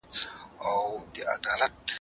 نه به څوک وي چي په موږ پسي ځان خوار کي